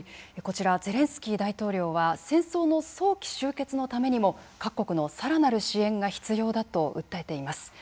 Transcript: ゼレンスキー大統領は戦争の早期終結のためにも各国のさらなる支援が必要だと訴えています。